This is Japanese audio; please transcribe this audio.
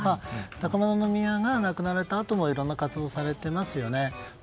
高円宮さまが亡くなられたあともいろんな活動をされてますよね。